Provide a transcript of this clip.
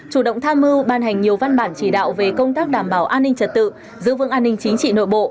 chủ động tham mưu ban hành nhiều văn bản chỉ đạo về công tác đảm bảo an ninh trật tự giữ vững an ninh chính trị nội bộ